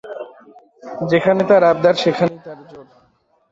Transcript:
যেখানে তার আবদার সেখানেই তার জোর।